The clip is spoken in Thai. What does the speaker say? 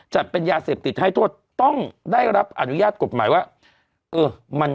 จะเป็นยาเสพติดให้ทวดต้องได้รับอนุญาตกฎหมายว่า